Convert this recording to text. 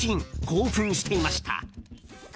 興奮していました。